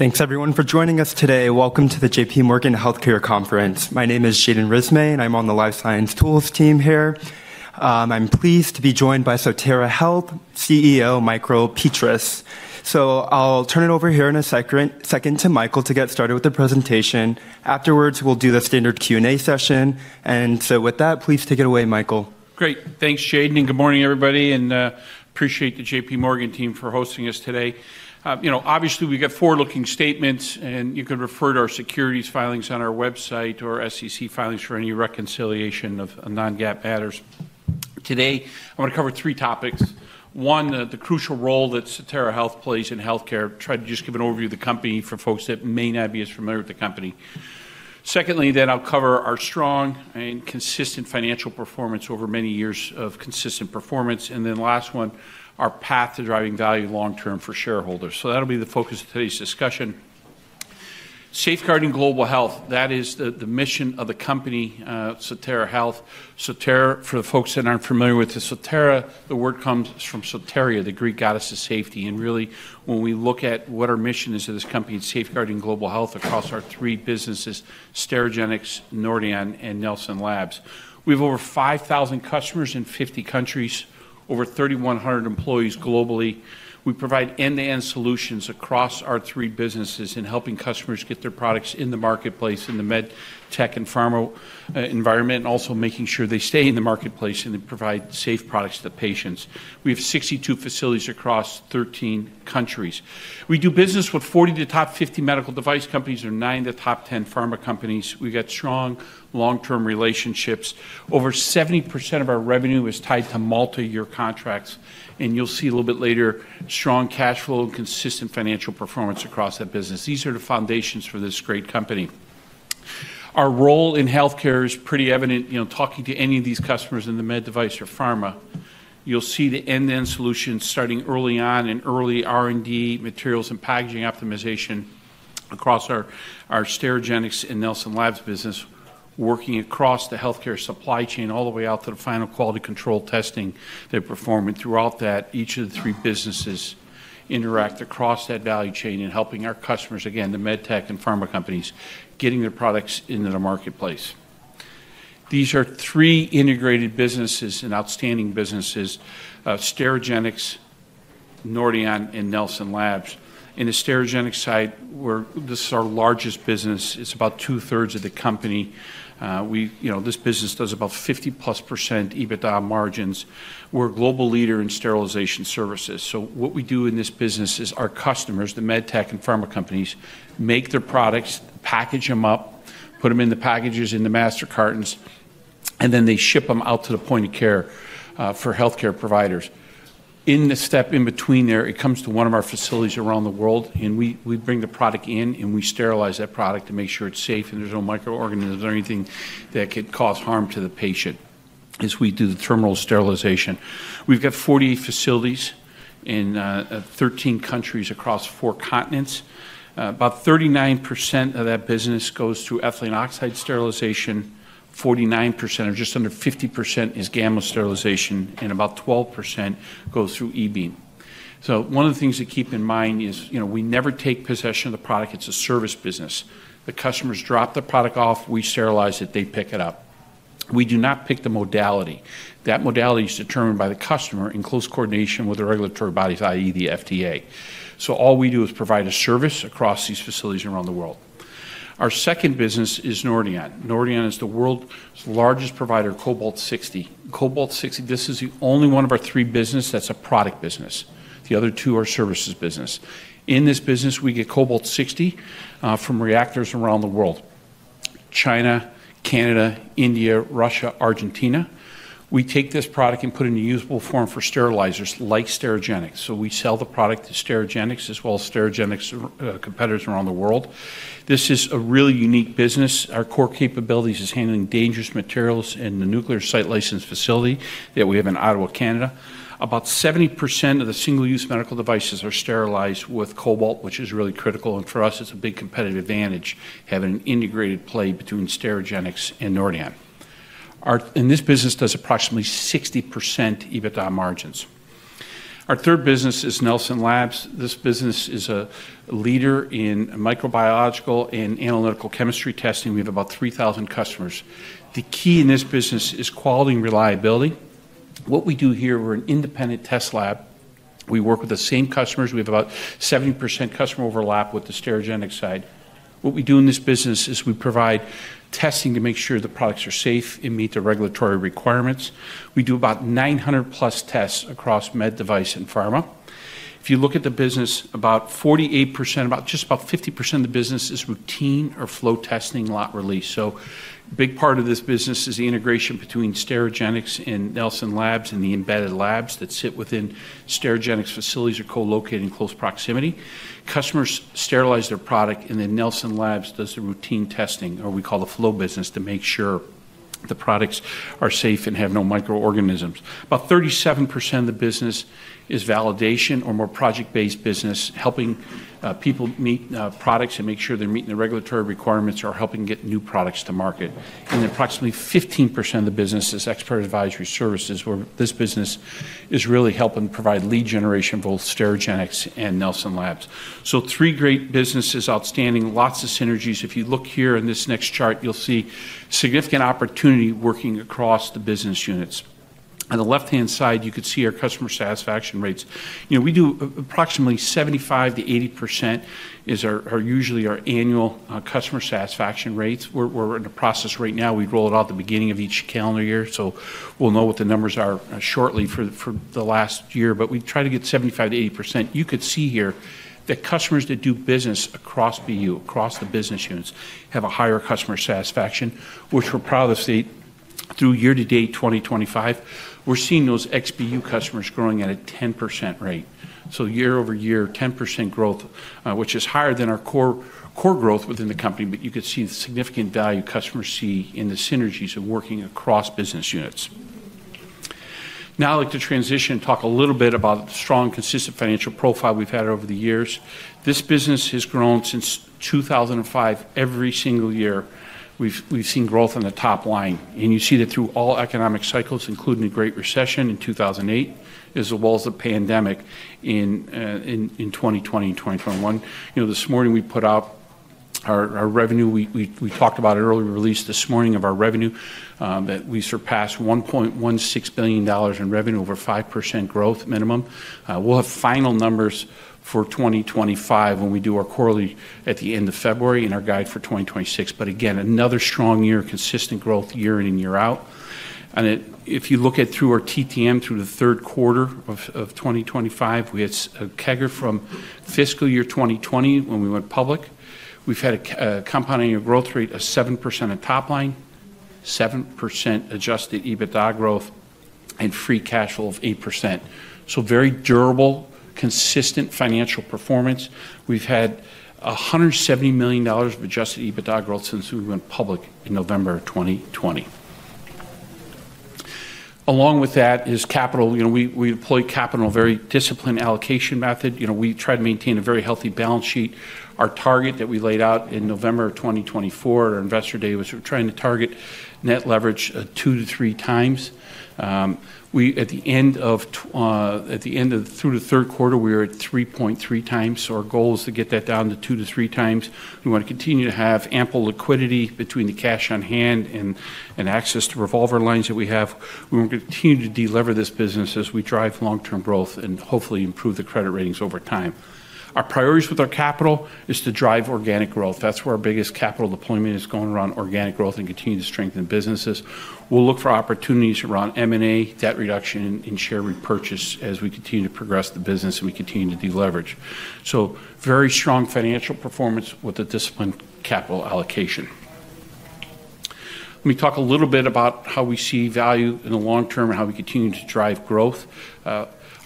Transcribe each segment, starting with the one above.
Thanks, everyone, for joining us today. Welcome to the J.P. Morgan Healthcare Conference. My name is Jaden Rismay, and I'm on the Life Science Tools team here. I'm pleased to be joined by Sotera Health CEO Michael Petras. So I'll turn it over here in a second to Michael to get started with the presentation. Afterwards, we'll do the standard Q&A session. And so with that, please take it away, Michael. Great. Thanks, Jaden, and good morning, everybody. And I appreciate the J.P. Morgan team for hosting us today. You know, obviously, we've got forward-looking statements, and you can refer to our securities filings on our website or SEC filings for any reconciliation of non-GAAP matters. Today, I want to cover three topics. One, the crucial role that Sotera Health plays in healthcare. Try to just give an overview of the company for folks that may not be as familiar with the company. Secondly, then I'll cover our strong and consistent financial performance over many years of consistent performance. And then last one, our path to driving value long-term for shareholders. So that'll be the focus of today's discussion. Safeguarding global health, that is the mission of the company, Sotera Health. Sotera, for the folks that aren't familiar with the Sotera, the word comes from Soteria, the Greek goddess of safety. Really, when we look at what our mission is at this company, it's safeguarding global health across our three businesses: Sterigenics, Nordion, and Nelson Labs. We have over 5,000 customers in 50 countries, over 3,100 employees globally. We provide end-to-end solutions across our three businesses in helping customers get their products in the marketplace, in the MedTech, and pharma environment, and also making sure they stay in the marketplace and they provide safe products to patients. We have 62 facilities across 13 countries. We do business with 40 of the top 50 medical device companies and 9 of the top 10 pharma companies. We've got strong long-term relationships. Over 70% of our revenue is tied to multi-year contracts. And you'll see a little bit later, strong cash flow and consistent financial performance across that business. These are the foundations for this great company. Our role in healthcare is pretty evident. You know, talking to any of these customers in the med device or pharma, you'll see the end-to-end solutions starting early on in early R&D, materials and packaging optimization across our Sterigenics and Nelson Labs business, working across the healthcare supply chain all the way out to the final quality control testing they perform. And throughout that, each of the three businesses interact across that value chain in helping our customers, again, the MedTech and pharma companies, getting their products into the marketplace. These are three integrated businesses and outstanding businesses: Sterigenics, Nordion, and Nelson Labs. In the Sterigenics side, this is our largest business. It's about two-thirds of the company. This business does about 50+ % EBITDA margins. We're a global leader in sterilization services. What we do in this business is our customers, the MedTech and pharma companies, make their products, package them up, put them in the packages in the master cartons, and then they ship them out to the point of care for healthcare providers. In the step in between there, it comes to one of our facilities around the world, and we bring the product in and we sterilize that product to make sure it's safe and there's no microorganisms or anything that could cause harm to the patient as we do the terminal sterilization. We've got 48 facilities in 13 countries across four continents. About 39% of that business goes through ethylene oxide sterilization. 49%, or just under 50%, is gamma sterilization, and about 12% goes through E-Beam. One of the things to keep in mind is we never take possession of the product. It's a service business. The customers drop the product off, we sterilize it, they pick it up. We do not pick the modality. That modality is determined by the customer in close coordination with the regulatory bodies, i.e., the FDA. So all we do is provide a service across these facilities around the world. Our second business is Nordion. Nordion is the world's largest provider of Cobalt-60. Cobalt-60, this is the only one of our three businesses that's a product business. The other two are services business. In this business, we get Cobalt-60 from reactors around the world: China, Canada, India, Russia, Argentina. We take this product and put it in a usable form for sterilizers like Sterigenics. So we sell the product to Sterigenics as well as Sterigenics' competitors around the world. This is a really unique business. Our core capabilities are handling dangerous materials in the nuclear site licensed facility that we have in Ottawa, Canada. About 70% of the single-use medical devices are sterilized with cobalt, which is really critical, and for us, it's a big competitive advantage having an integrated play between Sterigenics and Nordion. In this business, it does approximately 60% EBITDA margins. Our third business is Nelson Labs. This business is a leader in microbiological and analytical chemistry testing. We have about 3,000 customers. The key in this business is quality and reliability. What we do here, we're an independent test lab. We work with the same customers. We have about 70% customer overlap with the Sterigenics side. What we do in this business is we provide testing to make sure the products are safe and meet the regulatory requirements. We do about 900-plus tests across med device and pharma. If you look at the business, about 48%, about just about 50% of the business is routine or flow testing lot release. So a big part of this business is the integration between Sterigenics and Nelson Labs and the embedded labs that sit within Sterigenics' facilities or co-locate in close proximity. Customers sterilize their product, and then Nelson Labs does the routine testing, or we call the flow business, to make sure the products are safe and have no microorganisms. About 37% of the business is validation or more project-based business, helping people meet products and make sure they're meeting the regulatory requirements or helping get new products to market. And then approximately 15% of the business is Expert Advisory Services, where this business is really helping provide lead generation for both Sterigenics and Nelson Labs. So three great businesses, outstanding, lots of synergies. If you look here in this next chart, you'll see significant opportunity working across the business units. On the left-hand side, you could see our customer satisfaction rates. You know, we do approximately 75% to 80% are usually our annual customer satisfaction rates. We're in the process right now. We roll it out at the beginning of each calendar year, so we'll know what the numbers are shortly for the last year. But we try to get 75% -80%. You could see here that customers that do business across BU, across the business units, have a higher customer satisfaction, which we're proud to state through year-to-date 2025. We're seeing those X-BU customers growing at a 10% rate. So year over year, 10% growth, which is higher than our core growth within the company. But you could see the significant value customers see in the synergies of working across business units. Now I'd like to transition and talk a little bit about the strong consistent financial profile we've had over the years. This business has grown since 2005. Every single year, we've seen growth on the top line. And you see that through all economic cycles, including the Great Recession in 2008 as well as the pandemic in 2020 and 2021. You know, this morning, we put out our revenue. We talked about it earlier, released this morning of our revenue, that we surpassed $1.16 billion in revenue, over 5% growth minimum. We'll have final numbers for 2025 when we do our quarterly at the end of February and our guide for 2026. But again, another strong year, consistent growth year in and year out. And if you look at through our TTM through the third quarter of 2025, we had a CAGR from fiscal year 2020 when we went public. We've had a compounding growth rate of 7% at top line, 7% adjusted EBITDA growth, and free cash flow of 8%. So very durable, consistent financial performance. We've had $170 million of adjusted EBITDA growth since we went public in November of 2020. Along with that is capital. You know, we employ capital in a very disciplined allocation method. You know, we try to maintain a very healthy balance sheet. Our target that we laid out in November of 2024 at our investor day was we're trying to target net leverage two to three times. At the end of the third quarter, we were at 3.3x. So our goal is to get that down to two to three times. We want to continue to have ample liquidity between the cash on hand and access to revolver lines that we have. We want to continue to deliver this business as we drive long-term growth and hopefully improve the credit ratings over time. Our priorities with our capital is to drive organic growth. That's where our biggest capital deployment is going around organic growth and continue to strengthen businesses. We'll look for opportunities around M&A, debt reduction, and share repurchase as we continue to progress the business and we continue to deleverage, so very strong financial performance with a disciplined capital allocation. Let me talk a little bit about how we see value in the long term and how we continue to drive growth.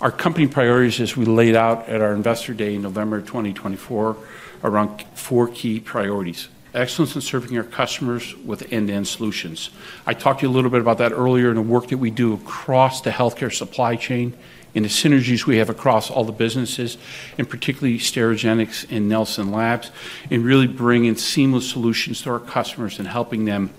Our company priorities, as we laid out at our investor day in November of 2024, are around four key priorities: excellence in serving our customers with end-to-end solutions. I talked to you a little bit about that earlier in the work that we do across the healthcare supply chain and the synergies we have across all the businesses, and particularly Sterigenics and Nelson Labs, and really bringing seamless solutions to our customers and helping them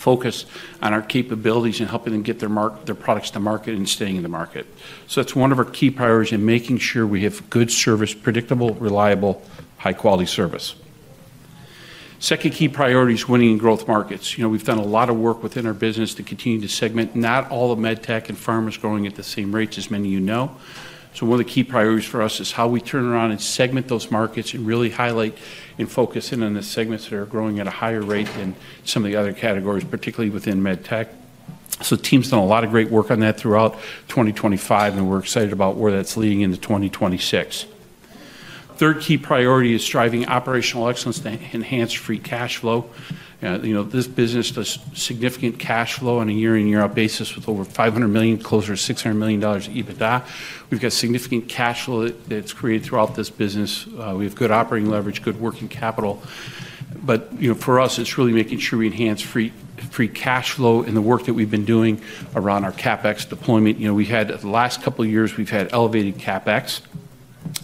focus on our capabilities and helping them get their products to market and staying in the market. So that's one of our key priorities in making sure we have good service, predictable, reliable, high-quality service. Second key priority is winning in growth markets. You know, we've done a lot of work within our business to continue to segment. Not all the MedTech and pharma is growing at the same rates as many of you know. So one of the key priorities for us is how we turn around and segment those markets and really highlight and focus in on the segments that are growing at a higher rate than some of the other categories, particularly within MedTech. So the team's done a lot of great work on that throughout 2025, and we're excited about where that's leading into 2026. Third key priority is driving operational excellence to enhance free cash flow. You know, this business does significant cash flow on a year-on-year basis with over $500 million, closer to $600 million EBITDA. We've got significant cash flow that's created throughout this business. We have good operating leverage, good working capital. But you know, for us, it's really making sure we enhance free cash flow in the work that we've been doing around our CapEx deployment. You know, we had, the last couple of years, we've had elevated CapEx,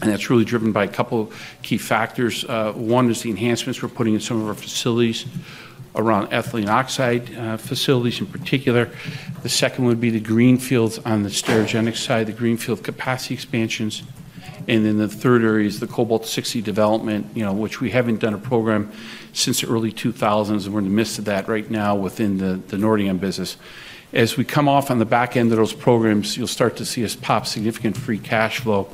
and that's really driven by a couple of key factors. One is the enhancements we're putting in some of our facilities around ethylene oxide facilities in particular. The second would be the greenfields on the Sterigenics side, the greenfield capacity expansions. And then the third area is the Cobalt-60 development, you know, which we haven't done a program since the early 2000's, and we're in the midst of that right now within the Nordion business. As we come off on the back end of those programs, you'll start to see us pop significant free cash flow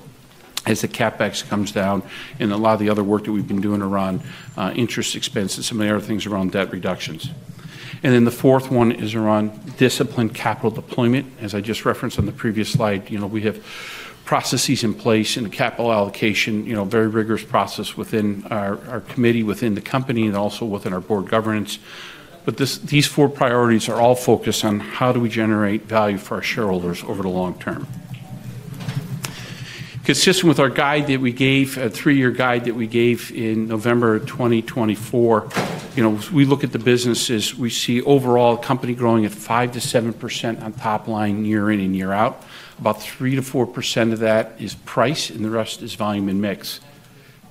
as the CapEx comes down and a lot of the other work that we've been doing around interest expenses, some of the other things around debt reductions. And then the fourth one is around disciplined capital deployment. As I just referenced on the previous slide, you know, we have processes in place and capital allocation, you know, very rigorous process within our committee, within the company, and also within our board governance. But these four priorities are all focused on how do we generate value for our shareholders over the long term. Consistent with our guide that we gave, a three-year guide that we gave in November of 2024, you know, we look at the businesses. We see overall company growing at 5%-7% on top line year in and year out. About 3%-4% of that is price, and the rest is volume and mix.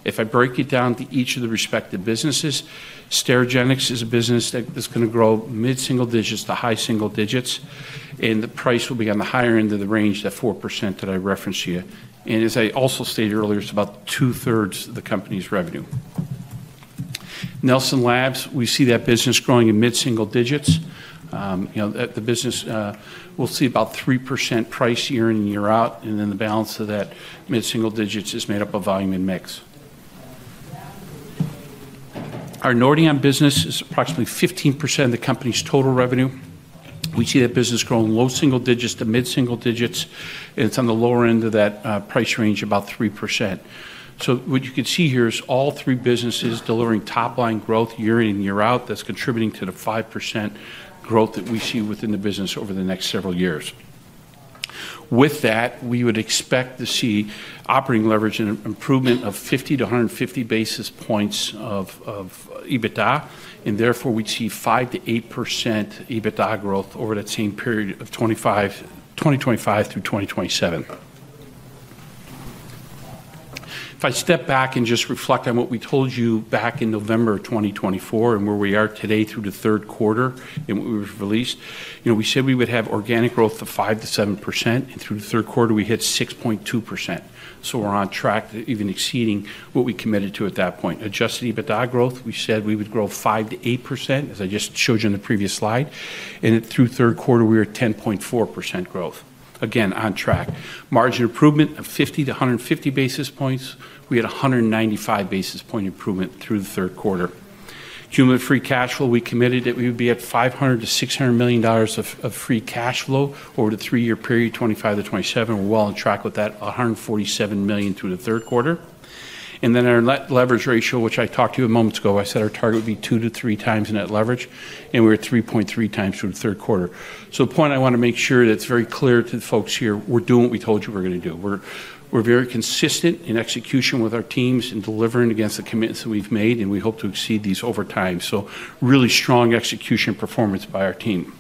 If I break it down to each of the respective businesses, Sterigenics is a business that is going to grow mid-single digits to high single digits, and the price will be on the higher end of the range that 4% that I referenced to you. And as I also stated earlier, it's about two-thirds of the company's revenue. Nelson Labs, we see that business growing in mid-single digits. You know, the business, we'll see about 3% price year in and year out, and then the balance of that mid-single digits is made up of volume and mix. Our Nordion business is approximately 15% of the company's total revenue. We see that business growing low single digits to mid-single digits, and it's on the lower end of that price range, about 3%. So what you can see here is all three businesses delivering top-line growth year in and year out that's contributing to the 5% growth that we see within the business over the next several years. With that, we would expect to see operating leverage and improvement of 50-150 basis points of EBITDA, and therefore we'd see 5%-8% EBITDA growth over that same period of 2025 through 2027. If I step back and just reflect on what we told you back in November of 2024 and where we are today through the third quarter and what we've released, you know, we said we would have organic growth of 5%-7%, and through the third quarter, we hit 6.2%. So we're on track, even exceeding what we committed to at that point. Adjusted EBITDA growth, we said we would grow 5%-8%, as I just showed you on the previous slide, and through third quarter, we were at 10.4% growth. Again, on track. Margin improvement of 50%-150 basis points. We had 195 basis point improvement through the third quarter. Cumulative free cash flow, we committed that we would be at $500 million-$600 million of free cash flow over the three-year period, 2025 to 2027. We're well on track with that, $147 million through the third quarter. And then our leverage ratio, which I talked to you a moment ago, I said our target would be two to three times net leverage, and we were at 3.3x through the third quarter. So the point I want to make sure that's very clear to the folks here, we're doing what we told you we're going to do. We're very consistent in execution with our teams and delivering against the commitments that we've made, and we hope to exceed these over time. So really strong execution performance by our team.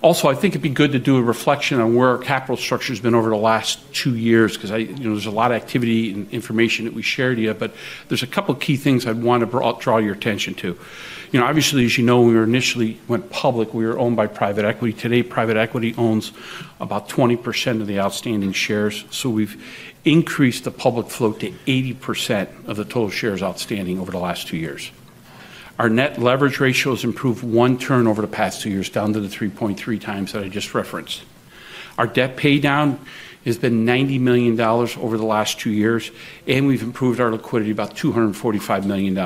Also, I think it'd be good to do a reflection on where our capital structure has been over the last two years because, you know, there's a lot of activity and information that we shared here, but there's a couple of key things I'd want to draw your attention to. You know, obviously, as you know, when we initially went public, we were owned by private equity. Today, private equity owns about 20% of the outstanding shares. So we've increased the public float to 80% of the total shares outstanding over the last two years. Our net leverage ratio has improved one turn over the past two years, down to the 3.3x that I just referenced. Our debt paydown has been $90 million over the last two years, and we've improved our liquidity by about $245 million.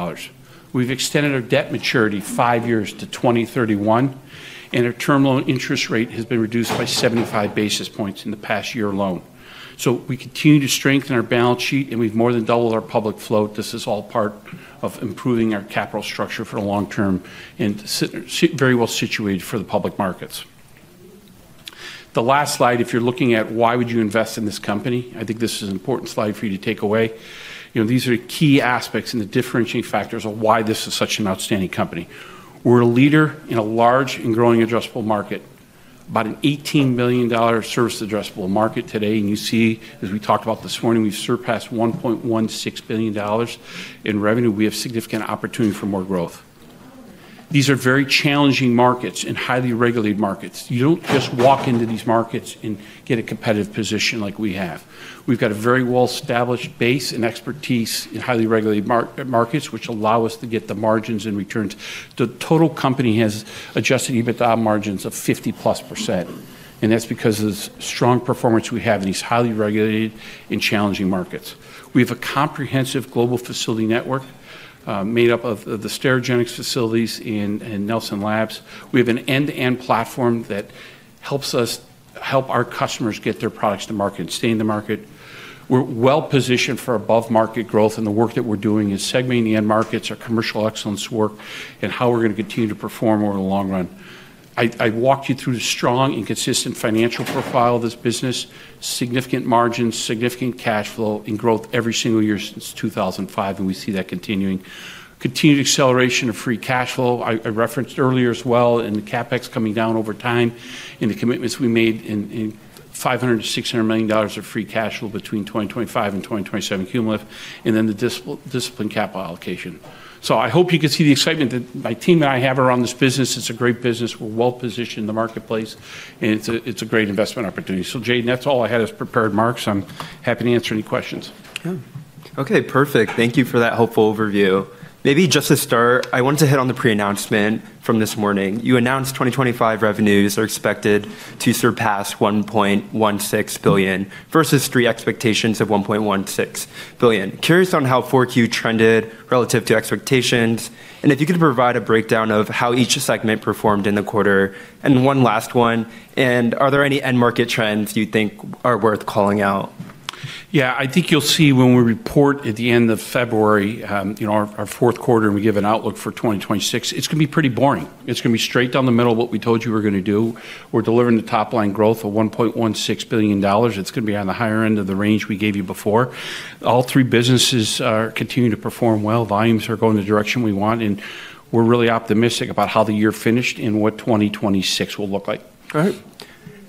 We've extended our debt maturity five years to 2031, and our term loan interest rate has been reduced by 75 basis points in the past year alone, so we continue to strengthen our balance sheet, and we've more than doubled our public float. This is all part of improving our capital structure for the long term and very well situated for the public markets. The last slide, if you're looking at why would you invest in this company, I think this is an important slide for you to take away. You know, these are key aspects and the differentiating factors of why this is such an outstanding company. We're a leader in a large and growing addressable market, about an $18 billion serviceable addressable market today. You see, as we talked about this morning, we've surpassed $1.16 billion in revenue. We have significant opportunity for more growth. These are very challenging markets and highly regulated markets. You don't just walk into these markets and get a competitive position like we have. We've got a very well-established base and expertise in highly regulated markets, which allow us to get the margins and returns. The total company has Adjusted EBITDA margins of 50-plus%, and that's because of the strong performance we have in these highly regulated and challenging markets. We have a comprehensive global facility network made up of the Sterigenics facilities and Nelson Labs. We have an end-to-end platform that helps us help our customers get their products to market and stay in the market. We're well-positioned for above-market growth, and the work that we're doing in segmenting the end markets, our commercial excellence work, and how we're going to continue to perform over the long run. I walked you through the strong and consistent financial profile of this business, significant margins, significant cash flow, and growth every single year since 2005, and we see that continuing. Continued acceleration of free cash flow I referenced earlier as well, and the CapEx coming down over time and the commitments we made in $500 million-$600 million of free cash flow between 2025 and 2027 cumulative, and then the disciplined capital allocation. So I hope you can see the excitement that my team and I have around this business. It's a great business. We're well-positioned in the marketplace, and it's a great investment opportunity. So, Jaden, that's all I had as prepared remarks. I'm happy to answer any questions. Yeah. Okay, perfect. Thank you for that helpful overview. Maybe just to start, I wanted to hit on the pre-announcement from this morning. You announced 2025 revenues are expected to surpass $1.16 billion versus Street expectations of $1.16 billion. Curious on how 4Q trended relative to expectations, and if you could provide a breakdown of how each segment performed in the quarter. And one last one, are there any end market trends you think are worth calling out? Yeah, I think you'll see when we report at the end of February, you know, our fourth quarter, and we give an outlook for 2026, it's going to be pretty boring. It's going to be straight down the middle of what we told you we're going to do. We're delivering the top-line growth of $1.16 billion. It's going to be on the higher end of the range we gave you before. All three businesses are continuing to perform well. Volumes are going the direction we want, and we're really optimistic about how the year finished and what 2026 will look like. All right.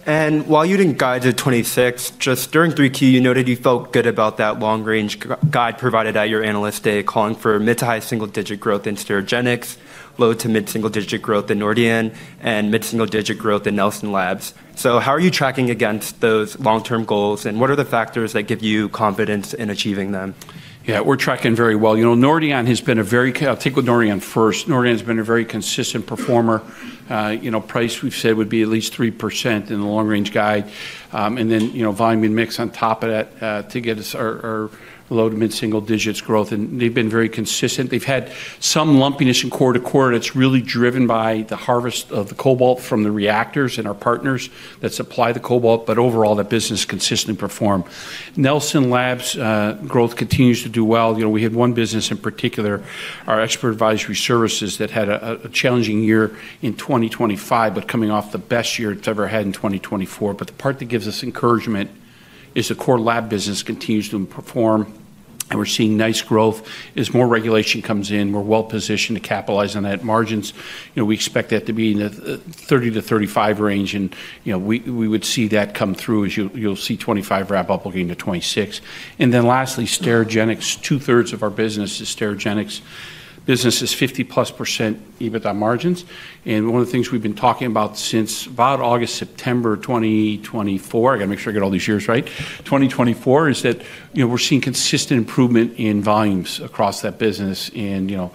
And while you didn't guide to 2026, just during 3Q, you noted you felt good about that long-range guide provided at your analyst day calling for mid- to high single-digit growth in Sterigenics, low- to mid-single-digit growth in Nordion, and mid-single-digit growth in Nelson Labs. So how are you tracking against those long-term goals, and what are the factors that give you confidence in achieving them? Yeah, we're tracking very well. You know, Nordion has been a very, I'll take with Nordion first. Nordion has been a very consistent performer. You know, price we've said would be at least 3% in the long-range guide. And then, you know, volume and mix on top of that to get us our low- to mid-single-digits growth. And they've been very consistent. They've had some lumpiness in quarter-to-quarter. It's really driven by the harvest of the cobalt from the reactors and our partners that supply the cobalt. But overall, the business consistently performed. Nelson Labs' growth continues to do well. You know, we had one business in particular, our Expert Advisory Services, that had a challenging year in 2025, but coming off the best year it's ever had in 2024. But the part that gives us encouragement is the core lab business continues to perform, and we're seeing nice growth as more regulation comes in. We're well-positioned to capitalize on that. Margins. You know, we expect that to be in the 30-35 range, and you know, we would see that come through as you'll see 2025 wrap up, we'll get into 2026. And then lastly, Sterigenics, two-thirds of our business is Sterigenics. Business is 50-plus% EBITDA margins. And one of the things we've been talking about since about August, September 2024—I got to make sure I get all these years right—2024 is that, you know, we're seeing consistent improvement in volumes across that business. And, you know,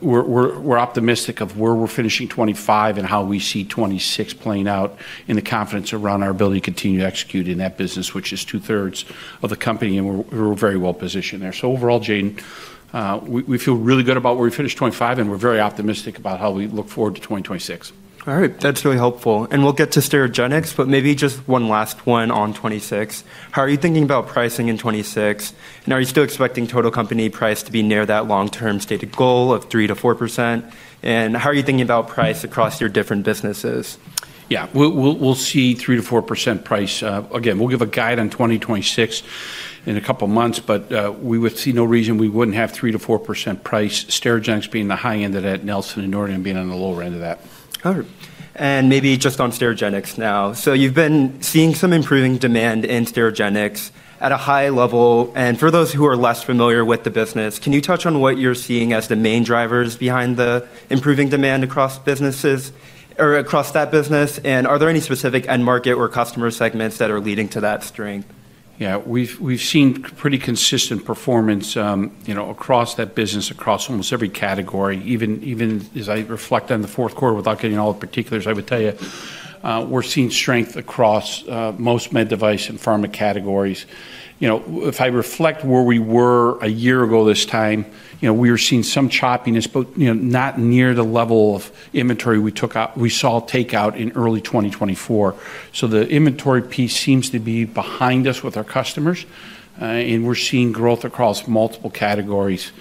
we're optimistic of where we're finishing 2025 and how we see 2026 playing out and the confidence around our ability to continue to execute in that business, which is two-thirds of the company. And we're very well-positioned there. So overall, Jaden, we feel really good about where we finished 2025, and we're very optimistic about how we look forward to 2026. All right. That's really helpful. And we'll get to Sterigenics, but maybe just one last one on 2026. How are you thinking about pricing in 2026? And are you still expecting total company price to be near that long-term stated goal of 3%-4%? And how are you thinking about price across your different businesses? Yeah, we'll see 3%-4% price. Again, we'll give a guide on 2026 in a couple of months, but we would see no reason we wouldn't have 3%-4% price, Sterigenics being the high end of that, Nelson and Nordion being on the lower end of that. All right. And maybe just on Sterigenics now. So you've been seeing some improving demand in Sterigenics at a high level. And for those who are less familiar with the business, can you touch on what you're seeing as the main drivers behind the improving demand across businesses or across that business? And are there any specific end market or customer segments that are leading to that strength? Yeah, we've seen pretty consistent performance, you know, across that business, across almost every category. Even as I reflect on the fourth quarter without getting all the particulars, I would tell you we're seeing strength across most med device and pharma categories. You know, if I reflect where we were a year ago this time, you know, we were seeing some choppiness, but you know, not near the level of inventory we took out. We saw takeout in early 2024. So the inventory piece seems to be behind us with our customers, and we're seeing growth across multiple categories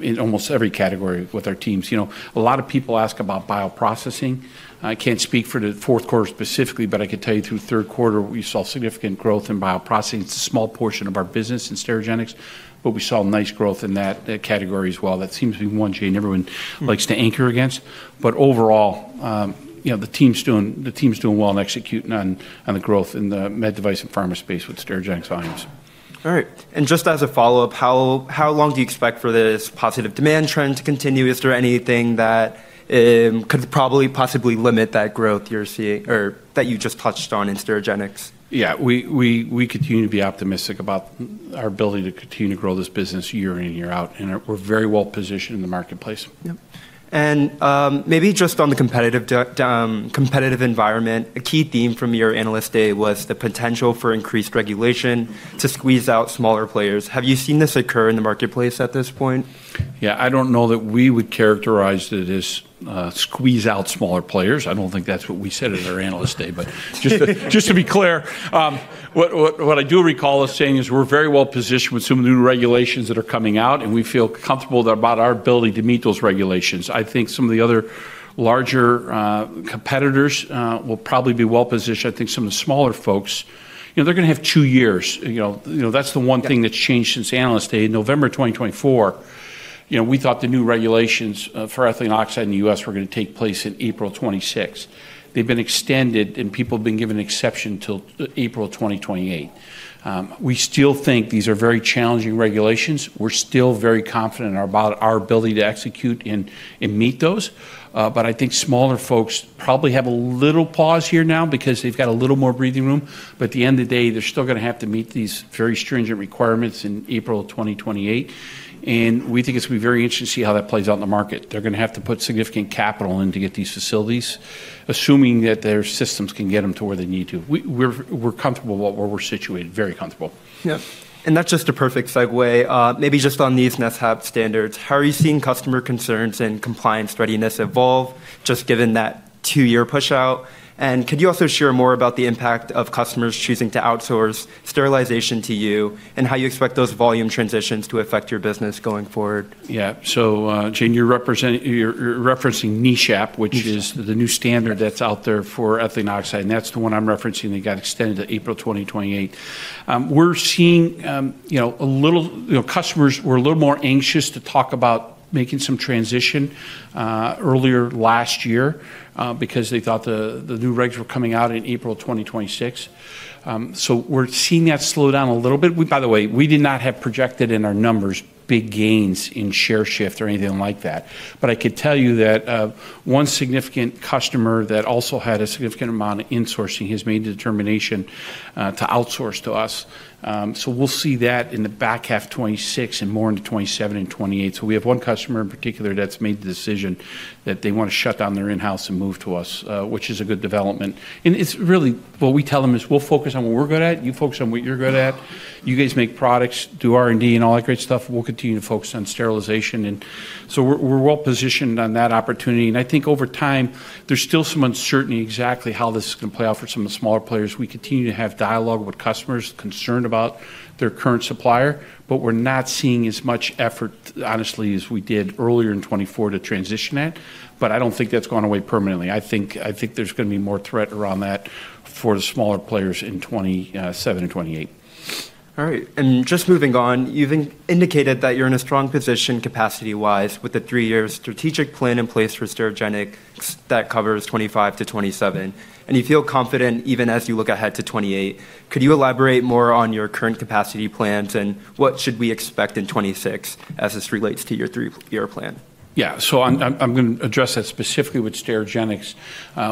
in almost every category with our teams. You know, a lot of people ask about bioprocessing. I can't speak for the fourth quarter specifically, but I could tell you through third quarter, we saw significant growth in bioprocessing. It's a small portion of our business in Sterigenics, but we saw nice growth in that category as well. That seems to be one thing everyone likes to anchor against. But overall, you know, the team's doing well in executing on the growth in the med device and pharma space with Sterigenics volumes. All right. And just as a follow-up, how long do you expect for this positive demand trend to continue? Is there anything that could probably possibly limit that growth you're seeing or that you just touched on in Sterigenics? Yeah, we continue to be optimistic about our ability to continue to grow this business year in and year out, and we're very well-positioned in the marketplace. Yep. And maybe just on the competitive environment, a key theme from your analyst day was the potential for increased regulation to squeeze out smaller players. Have you seen this occur in the marketplace at this point? Yeah, I don't know that we would characterize it as squeeze out smaller players. I don't think that's what we said at our analyst day, but just to be clear, what I do recall us saying is we're very well-positioned with some of the new regulations that are coming out, and we feel comfortable about our ability to meet those regulations. I think some of the other larger competitors will probably be well-positioned. I think some of the smaller folks, you know, they're going to have two years. You know, that's the one thing that's changed since analyst day in November 2024. You know, we thought the new regulations for ethylene oxide in the U.S. were going to take place in April 2026. They've been extended, and people have been given extension until April 2028. We still think these are very challenging regulations. We're still very confident in our ability to execute and meet those. But I think smaller folks probably have a little pause here now because they've got a little more breathing room. But at the end of the day, they're still going to have to meet these very stringent requirements in April 2028. And we think it's going to be very interesting to see how that plays out in the market. They're going to have to put significant capital in to get these facilities, assuming that their systems can get them to where they need to. We're comfortable about where we're situated, very comfortable. Yeah. And that's just a perfect segue. Maybe just on these NESHAP standards, how are you seeing customer concerns and compliance readiness evolve just given that two-year push-out? And could you also share more about the impact of customers choosing to outsource sterilization to you and how you expect those volume transitions to affect your business going forward? Yeah. So, Jaden, you're referencing NESHAP, which is the new standard that's out there for ethylene oxide, and that's the one I'm referencing that got extended to April 2028. We're seeing, you know, a little, you know. Customers were a little more anxious to talk about making some transition earlier last year because they thought the new regs were coming out in April 2026, so we're seeing that slow down a little bit. By the way, we did not have projected in our numbers big gains in share shift or anything like that, but I could tell you that one significant customer that also had a significant amount of insourcing has made the determination to outsource to us, so we'll see that in the back half of 2026 and more into 2027 and 2028, so we have one customer in particular that's made the decision that they want to shut down their in-house and move to us, which is a good development, and it's really what we tell them is we'll focus on what we're good at. You focus on what you're good at. You guys make products, do R&D and all that great stuff. We'll continue to focus on sterilization. And so we're well-positioned on that opportunity. And I think over time, there's still some uncertainty exactly how this is going to play out for some of the smaller players. We continue to have dialogue with customers concerned about their current supplier, but we're not seeing as much effort, honestly, as we did earlier in 2024 to transition that. But I don't think that's gone away permanently. I think there's going to be more threat around that for the smaller players in 2027 and 2028. All right. And just moving on, you've indicated that you're in a strong position capacity-wise with a three-year strategic plan in place for Sterigenics that covers 2025-2027. And you feel confident even as you look ahead to 2028. Could you elaborate more on your current capacity plans and what should we expect in 2026 as this relates to your three-year plan? Yeah. So I'm going to address that specifically with Sterigenics.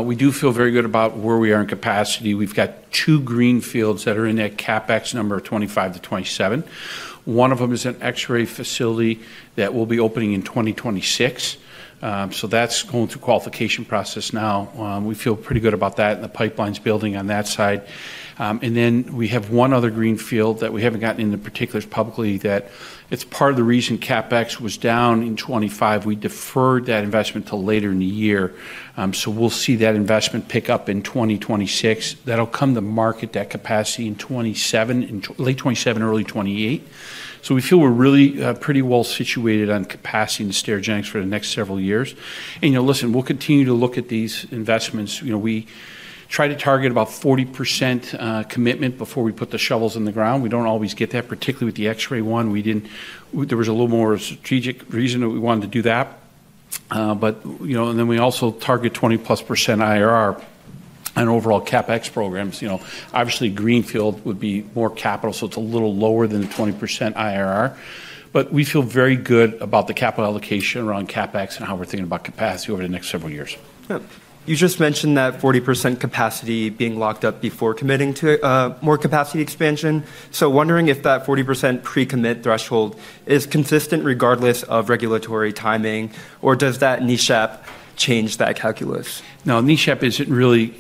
We do feel very good about where we are in capacity. We've got two greenfields that are in that CapEx number of 2025-2027. One of them is an X-ray facility that will be opening in 2026. So that's going through qualification process now. We feel pretty good about that and the pipelines building on that side. And then we have one other greenfield that we haven't gotten into particulars publicly that it's part of the reason CapEx was down in 2025. We deferred that investment to later in the year. So we'll see that investment pick up in 2026. That'll come to market that capacity in 2027, late 2027, early 2028. So we feel we're really pretty well situated on capacity in Sterigenics for the next several years. And you know, listen, we'll continue to look at these investments. You know, we try to target about 40% commitment before we put the shovels in the ground. We don't always get that, particularly with the X-ray one. We didn't. There was a little more strategic reason that we wanted to do that. But, you know, and then we also target 20+% IRR on overall CapEx programs. You know, obviously, greenfield would be more capital, so it's a little lower than the 20% IRR. But we feel very good about the capital allocation around CapEx and how we're thinking about capacity over the next several years. Yeah. You just mentioned that 40% capacity being locked up before committing to more capacity expansion. So wondering if that 40% pre-commit threshold is consistent regardless of regulatory timing, or does that NESHAP change that calculus? No, NESHAP isn't really,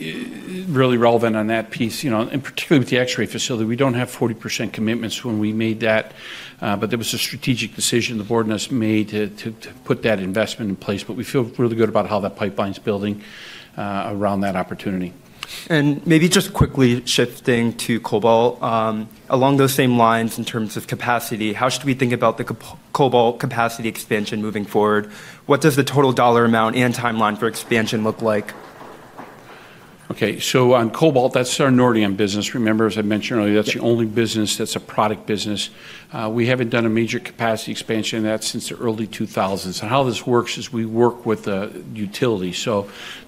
really relevant on that piece, you know, and particularly with the X-ray facility. We don't have 40% commitments when we made that, but there was a strategic decision the board and us made to put that investment in place. But we feel really good about how that pipeline's building around that opportunity. And maybe just quickly shifting to cobalt, along those same lines in terms of capacity, how should we think about the cobalt capacity expansion moving forward? What does the total dollar amount and timeline for expansion look like? Okay. So on cobalt, that's our Nordion business. Remember, as I mentioned earlier, that's the only business that's a product business. We haven't done a major capacity expansion in that since the early 2000s. How this works is we work with the utility.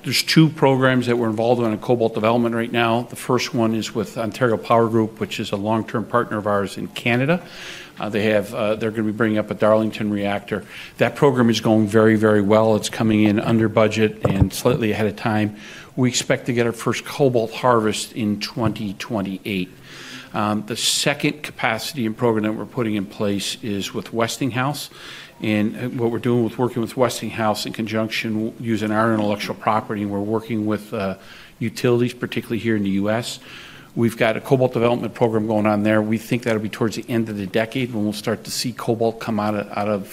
There's two programs that we're involved in on cobalt development right now. The first one is with Ontario Power Group, which is a long-term partner of ours in Canada. They have. They're going to be bringing up a Darlington reactor. That program is going very, very well. It's coming in under budget and slightly ahead of time. We expect to get our first cobalt harvest in 2028. The second capacity and program that we're putting in place is with Westinghouse. What we're doing is working with Westinghouse in conjunction, using our intellectual property, and we're working with utilities, particularly here in the U.S. We've got a cobalt development program going on there. We think that'll be towards the end of the decade when we'll start to see cobalt come out of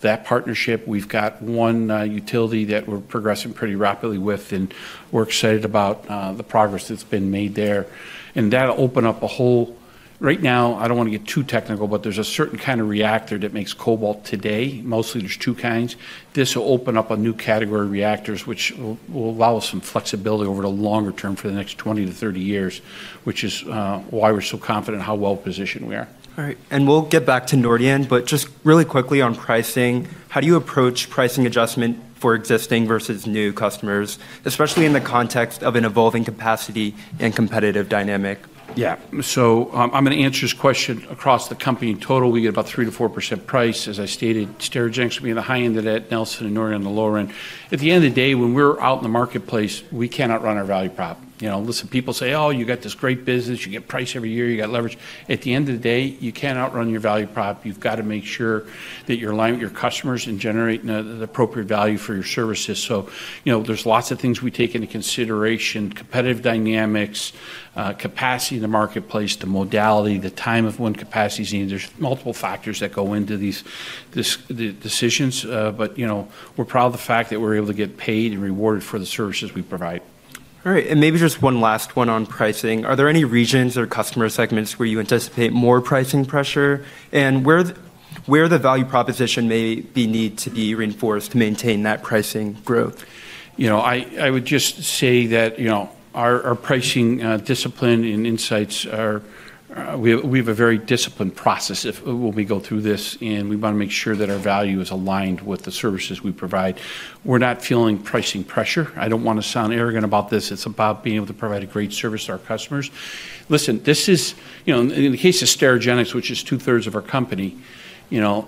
that partnership. We've got one utility that we're progressing pretty rapidly with, and we're excited about the progress that's been made there. And that'll open up a whole, right now, I don't want to get too technical, but there's a certain kind of reactor that makes cobalt today. Mostly, there's two kinds. This will open up a new category of reactors, which will allow us some flexibility over the longer term for the next 20 to 30 years, which is why we're so confident in how well-positioned we are. All right. And we'll get back to Nordion, but just really quickly on pricing. How do you approach pricing adjustment for existing versus new customers, especially in the context of an evolving capacity and competitive dynamic? Yeah. So I'm going to answer this question across the company total. We get about 3%-4% price. As I stated, Sterigenics will be in the high end of that, Nelson and Nordion on the lower end. At the end of the day, when we're out in the marketplace, we cannot run our value prop. You know, listen, people say, "Oh, you got this great business. You get price every year. You got leverage." At the end of the day, you cannot run your value prop. You've got to make sure that you're aligned with your customers and generate the appropriate value for your services. So, you know, there's lots of things we take into consideration: competitive dynamics, capacity in the marketplace, the modality, the time of when capacity is needed. There's multiple factors that go into these decisions, but, you know, we're proud of the fact that we're able to get paid and rewarded for the services we provide. All right. Maybe just one last one on pricing. Are there any regions or customer segments where you anticipate more pricing pressure and where the value proposition may be needed to be reinforced to maintain that pricing growth? You know, I would just say that, you know, our pricing discipline and insights are. We have a very disciplined process when we go through this, and we want to make sure that our value is aligned with the services we provide. We're not feeling pricing pressure. I don't want to sound arrogant about this. It's about being able to provide a great service to our customers. Listen, this is, you know, in the case of Sterigenics, which is two-thirds of our company, you know,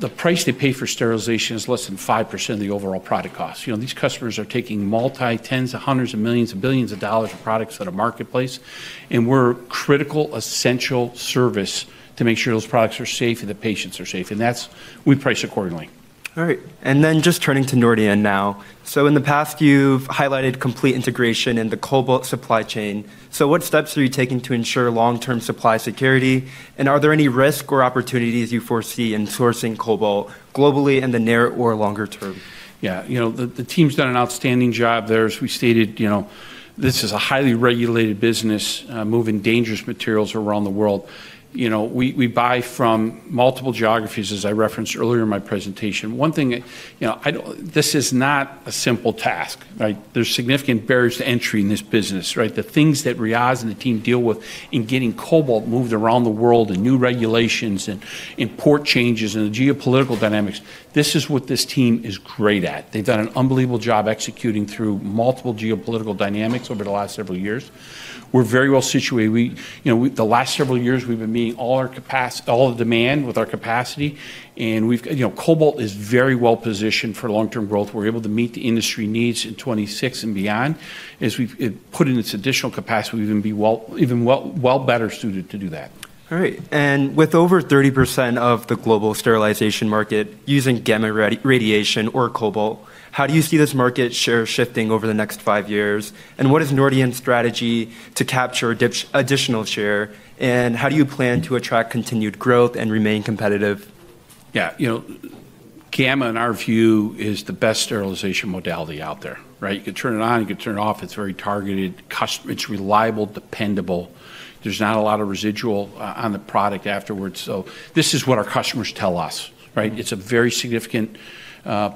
the price they pay for sterilization is less than 5% of the overall product cost. You know, these customers are taking multi, tens, hundreds of millions, and billions of dollars of products to the marketplace, and we're a critical, essential service to make sure those products are safe and the patients are safe. And that's—we price accordingly. All right. And then just turning to Nordion now. So in the past, you've highlighted complete integration in the cobalt supply chain. So what steps are you taking to ensure long-term supply security? And are there any risk or opportunities you foresee in sourcing cobalt globally in the near- or longer-term? Yeah. You know, the team's done an outstanding job there. As we stated, you know, this is a highly regulated business moving dangerous materials around the world. You know, we buy from multiple geographies, as I referenced earlier in my presentation. One thing, you know, this is not a simple task, right? There's significant barriers to entry in this business, right? The things that Riaz and the team deal with in getting cobalt moved around the world and new regulations and import changes and the geopolitical dynamics, this is what this team is great at. They've done an unbelievable job executing through multiple geopolitical dynamics over the last several years. We're very well situated. We, you know, the last several years, we've been meeting all our capacity, all the demand with our capacity. And we've, you know, cobalt is very well positioned for long-term growth. We're able to meet the industry needs in 2026 and beyond. As we put in this additional capacity, we've been even well better suited to do that. All right. And with over 30% of the global sterilization market using gamma radiation or cobalt, how do you see this market share shifting over the next five years? And what is Nordion's strategy to capture additional share? And how do you plan to attract continued growth and remain competitive? Yeah. You know, gamma in our view is the best sterilization modality out there, right? You can turn it on, you can turn it off. It's very targeted, customer, it's reliable, dependable. There's not a lot of residual on the product afterwards. So this is what our customers tell us, right? It's a very significant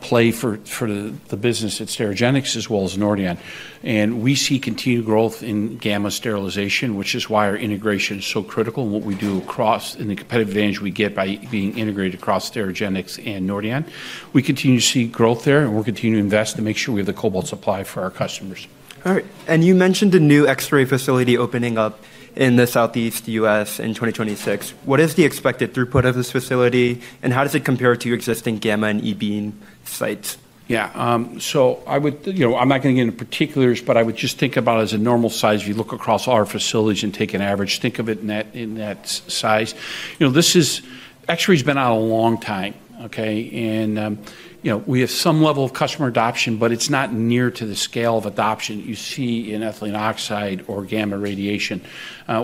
play for the business at Sterigenics as well as Nordion. And we see continued growth in gamma sterilization, which is why our integration is so critical and what we do across and the competitive advantage we get by being integrated across Sterigenics and Nordion. We continue to see growth there, and we're continuing to invest to make sure we have the cobalt supply for our customers. All right. You mentioned a new X-ray facility opening up in the Southeast U.S. in 2026. What is the expected throughput of this facility, and how does it compare to existing gamma and E-Beam sites? Yeah, so I would, you know, I'm not going to get into particulars, but I would just think about it as a normal size. If you look across our facilities and take an average, think of it in that size. You know, this is X-ray's been out a long time, okay? And, you know, we have some level of customer adoption, but it's not near to the scale of adoption you see in ethylene oxide or gamma radiation.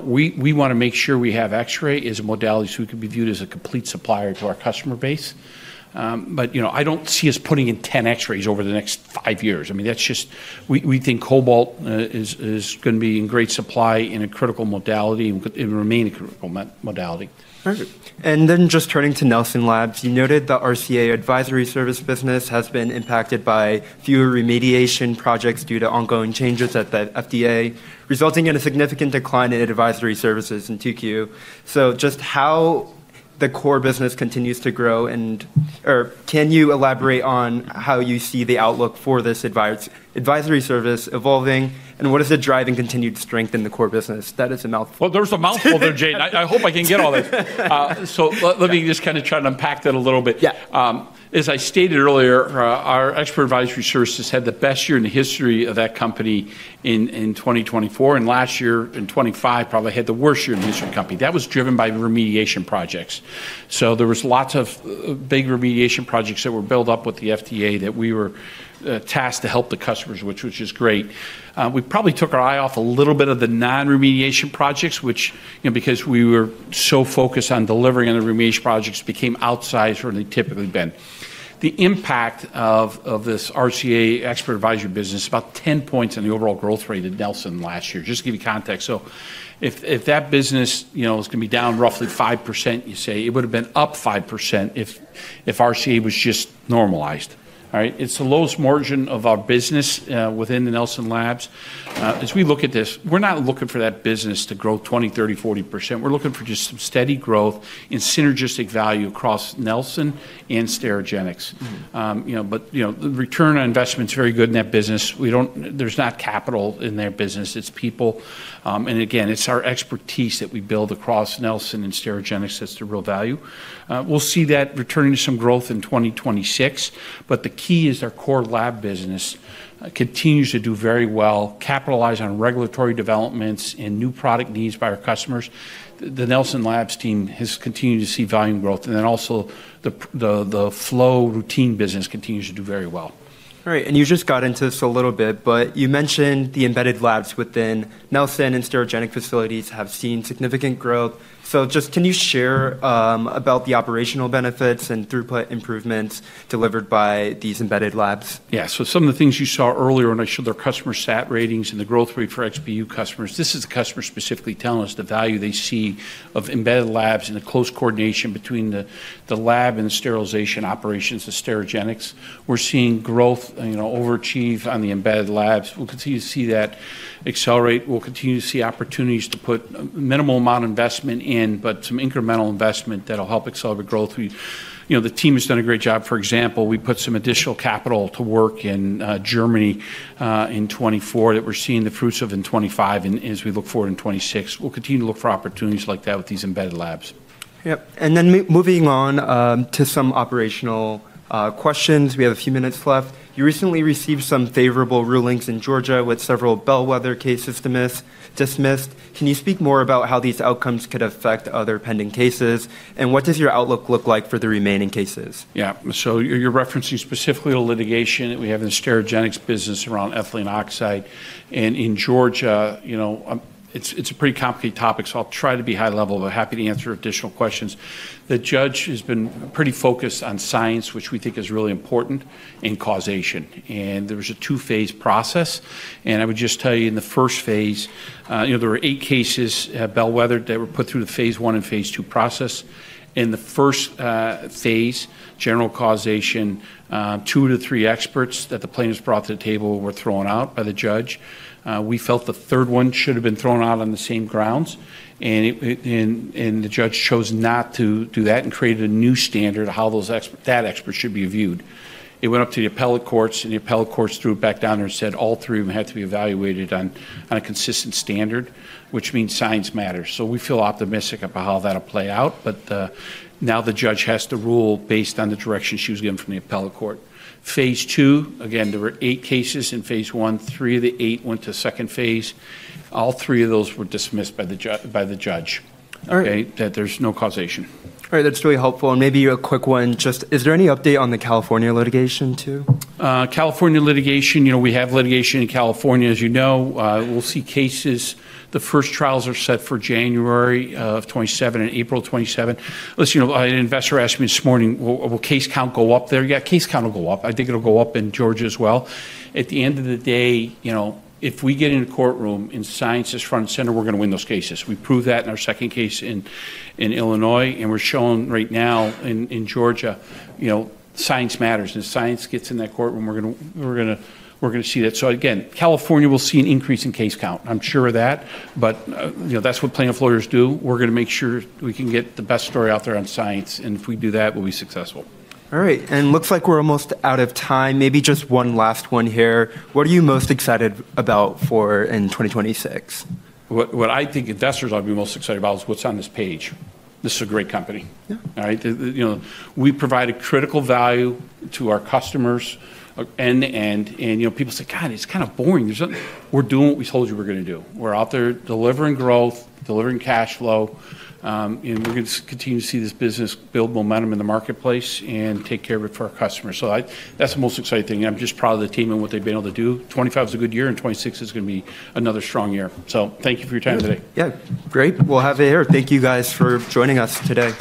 We want to make sure we have X-ray as a modality so we can be viewed as a complete supplier to our customer base. But, you know, I don't see us putting in 10 X-rays over the next five years. I mean, that's just, we think cobalt is going to be in great supply in a critical modality and remain a critical modality. All right. And then just turning to Nelson Labs, you noted the RCA advisory service business has been impacted by fewer remediation projects due to ongoing changes at the FDA, resulting in a significant decline in advisory services in Q3. So just how the core business continues to grow, and/or can you elaborate on how you see the outlook for this advisory service evolving, and what is it driving continued strength in the core business? That is a mouthful. Well, there's a mouthful there, Jaden. I hope I can get all that. So let me just kind of try to unpack that a little bit. Yeah. As I stated earlier, our Expert Advisory Services had the best year in the history of that company in 2024, and last year in 2025 probably had the worst year in the history of the company. That was driven by remediation projects. So there were lots of big remediation projects that were built up with the FDA that we were tasked to help the customers, which was just great. We probably took our eye off a little bit of the non-remediation projects, which, you know, because we were so focused on delivering on the remediation projects, became outsized from what they typically have been. The impact of this RCA Expert Advisory business is about 10 points in the overall growth rate at Nelson last year. Just to give you context, so if that business, you know, is going to be down roughly 5%, you say, it would have been up 5% if RCA was just normalized, all right? It's the lowest margin of our business within the Nelson Labs. As we look at this, we're not looking for that business to grow 20%, 30%, 40%. We're looking for just some steady growth and synergistic value across Nelson and Sterigenics. You know, but, you know, the return on investment's very good in that business. We don't, there's not capital in their business. It's people. And again, it's our expertise that we build across Nelson and Sterigenics that's the real value. We'll see that returning to some growth in 2026, but the key is our core lab business continues to do very well, capitalize on regulatory developments and new product needs by our customers. The Nelson Labs team has continued to see volume growth, and then also the flow routine business continues to do very well. All right. And you just got into this a little bit, but you mentioned the embedded labs within Nelson and Sterigenics facilities have seen significant growth. So just can you share about the operational benefits and throughput improvements delivered by these embedded labs? Yeah. So some of the things you saw earlier when I showed their customer sat ratings and the growth rate for XBU customers, this is the customer specifically telling us the value they see of embedded labs and the close coordination between the lab and the sterilization operations, the Sterigenics. We're seeing growth, you know, overachieve on the embedded labs. We'll continue to see that accelerate. We'll continue to see opportunities to put a minimal amount of investment in, but some incremental investment that'll help accelerate growth. You know, the team has done a great job. For example, we put some additional capital to work in Germany in 2024 that we're seeing the fruits of in 2025 and as we look forward in 2026. We'll continue to look for opportunities like that with these embedded labs. Yep. And then moving on to some operational questions. We have a few minutes left. You recently received some favorable rulings in Georgia with several bellwether cases dismissed. Can you speak more about how these outcomes could affect other pending cases? And what does your outlook look like for the remaining cases? Yeah. So you're referencing specifically the litigation that we have in the Sterigenics business around ethylene oxide. In Georgia, you know, it's a pretty complicated topic, so I'll try to be high level, but happy to answer additional questions. The judge has been pretty focused on science, which we think is really important and causation. There was a two-phase process. I would just tell you in the first phase, you know, there were eight cases bellwethered that were put through the phase one and phase two process. In the first phase, general causation, two to three experts that the plaintiffs brought to the table were thrown out by the judge. We felt the third one should have been thrown out on the same grounds. The judge chose not to do that and created a new standard of how those experts, that expert should be viewed. It went up to the appellate courts, and the appellate courts threw it back down there and said all three of them had to be evaluated on a consistent standard, which means science matters, so we feel optimistic about how that'll play out, but now the judge has to rule based on the direction she was given from the appellate court. Phase two, again, there were eight cases in phase one. Three of the eight went to second phase. All three of those were dismissed by the judge. All right. There's no causation. All right. That's really helpful, and maybe a quick one, just is there any update on the California litigation too? California litigation, you know, we have litigation in California, as you know. We'll see cases. The first trials are set for January of 2027 and April of 2027. Listen, you know, an investor asked me this morning, will case count go up there? Yeah, case count will go up. I think it'll go up in Georgia as well. At the end of the day, you know, if we get in the courtroom and science is front and center, we're going to win those cases. We proved that in our second case in Illinois, and we're showing right now in Georgia, you know, science matters, and if science gets in that courtroom, we're going to see that. So again, California will see an increase in case count. I'm sure of that, but you know, that's what plaintiff lawyers do. We're going to make sure we can get the best story out there on science, and if we do that, we'll be successful. All right, and it looks like we're almost out of time. Maybe just one last one here. What are you most excited about in 2026? What I think investors ought to be most excited about is what's on this page. This is a great company. Yeah. All right. You know, we provide a critical value to our customers end to end, and you know, people say, "God, it's kind of boring." We're doing what we told you we're going to do. We're out there delivering growth, delivering cash flow, and we're going to continue to see this business build momentum in the marketplace and take care of it for our customers. So that's the most exciting thing. And I'm just proud of the team and what they've been able to do. 2025 is a good year, and 2026 is going to be another strong year. So thank you for your time today. Yeah. Great. We'll have it here. Thank you guys for joining us today.